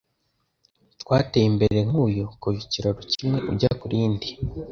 Twateye imbere nkuyu kuva ikiraro kimwe ujya kurindi